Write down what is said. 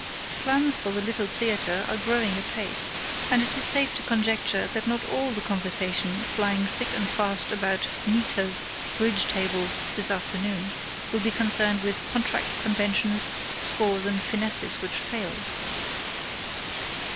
Plans for the Little Theater are growing apace, and it is safe to conjecture that not all the conversation flying thick and fast about 'Nita's' bridge tables this afternoon will be concerned with contract 'conventions,' scores, and finesses which failed.